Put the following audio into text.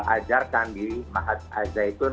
ajarkan diri mahat al zaitun